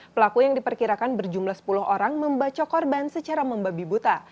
pelaku yang diperkirakan berjumlah sepuluh orang membaco korban secara membabi buta